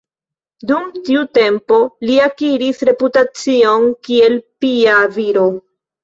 Dum tiu tempo li akiris reputacion kiel pia viro.